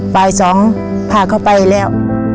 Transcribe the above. ใบ๒พาก็ไปแล้ว